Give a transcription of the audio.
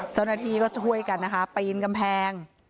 เจ้าหน้าที่ก็ช่วยกันนะคะปีนกำแพง